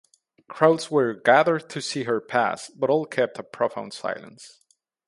Crowds were gathered to see her pass, but all kept a profound silence.